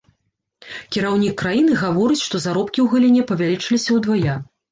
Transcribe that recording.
Кіраўнік краіны гаворыць, што заробкі ў галіне павялічыліся ўдвая.